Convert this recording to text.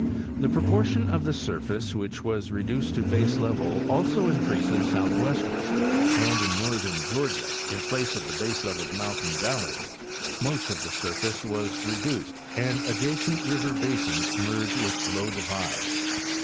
The proportion of the surface which was reduced to baselevel also increases southwestward and in northern Georgia, in place of the baseleveled mountain valleys, most of the surface was reduced and adjacent river basins merge with low divides.